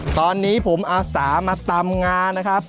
ตอนนี้ผมอาสามาตำงานะครับ